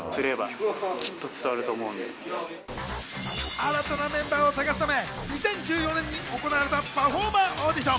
新たなメンバーを探すため、２０１４年に行われたパフォーマーオーディション。